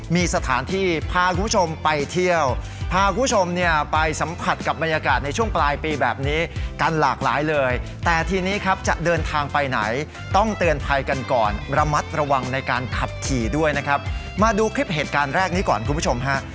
มาดูคลิปเหตุการณ์แรกนี้ก่อนคุณผู้ชมฮะ